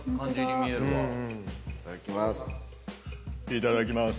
いただきます。